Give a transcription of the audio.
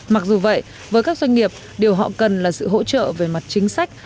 mặc dù vậy với các doanh nghiệp điều họ cần là sự hỗ trợ về mặt chính sách